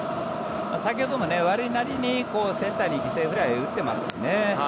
先ほども悪いなりにセンターに犠牲フライを打ってますしね。